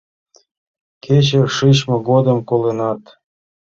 Кече шичме годым коленат.